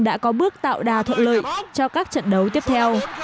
đã có bước tạo đà thuận lợi cho các trận đấu tiếp theo